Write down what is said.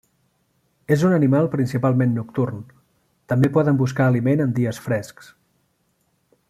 És un animal principalment nocturn; també poden buscar aliment en dies frescs.